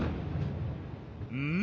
うん？